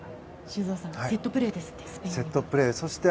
修造さんセットプレーですって。